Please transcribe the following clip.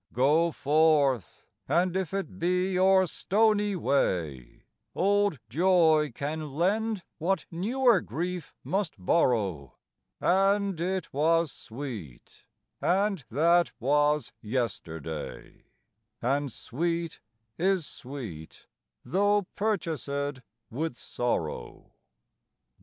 Go forth; and if it be o'er stony way, Old joy can lend what newer grief must borrow: And it was sweet, and that was yesterday, And sweet is sweet, though purchasèd with sorrow.